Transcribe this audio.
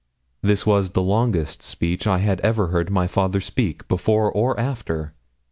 This was the longest speech I ever heard my father speak before or after.